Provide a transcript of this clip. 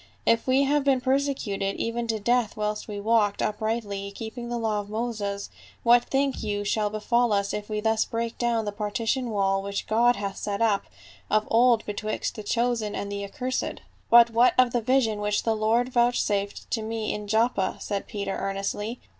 If we have been persecuted even to the death whilst we walked AN EPISTLE. 225 uprightly, keeping the law of Moses, what think you shall befall us if we thus break down the partition wall which God hath set up of old betwixt the chosen and the accursed ?''" But what of the vision which the Lord vouchsafed to me in Joppa?" said Peter earnestly.